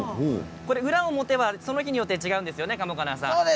裏表は、その日によって違うんですよね。